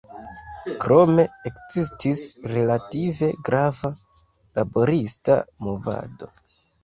Krome, ekzistis relative grava laborista movado.